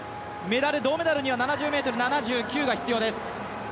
銅メダルには７０ｍ７９が必要です。